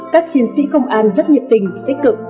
các chiến sĩ công an rất nhiệt tình tích cực